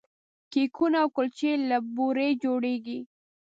کیکونه او کلچې له بوري جوړیږي.